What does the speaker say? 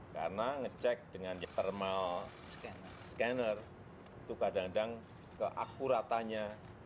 karena ngecek dengan thermal scanner itu kadang kadang keakuratannya